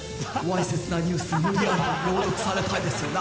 わいせつなニュース無理やり朗読されたいですよね。